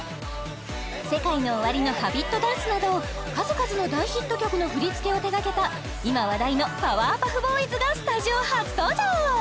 ＳＥＫＡＩＮＯＯＷＡＲＩのＨａｂｉｔダンスなど数々の大ヒット曲の振り付けを手がけた今話題のパワーパフボーイズがスタジオ初登場！